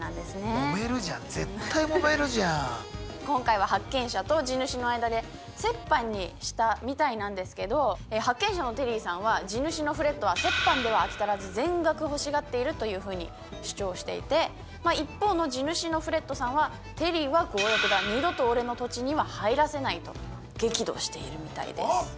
今回は発見者と地主の間で折半にしたみたいなんですけど発見者のテリーさんは「地主のフレッドは折半では飽き足らず全額欲しがっている」というふうに主張していて一方の地主のフレッドさんは「テリーは強欲だ！二度と俺の土地には入らせない」と激怒しているみたいです。